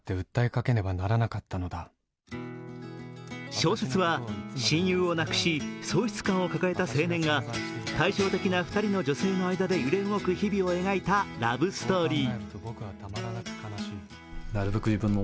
小説は親友を亡くし、喪失感を抱えた青年が対照的な２人の情勢の間で揺れ動く日々を描いたラブストーリー。